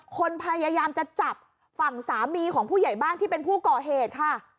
คนพยายามจะจับฝั่งสามีของผู้ใหญ่บ้านที่เป็นผู้ก่อเหตุค่ะ